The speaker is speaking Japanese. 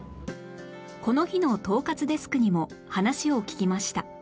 この日の統括デスクにも話を聞きました